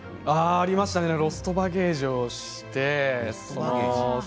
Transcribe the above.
ありましたねロストバゲージをして。